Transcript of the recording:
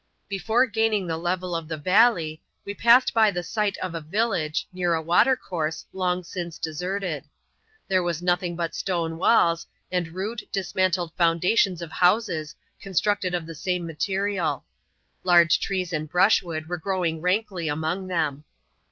Before gaining the level of the valley, we passed by the site of a village, near a watercourse, long since deserted. There was nothing but stone walls, and rude dismantled foundations of houses, constructed of the same materiaL Large trees and brushwood were growing rankly among them.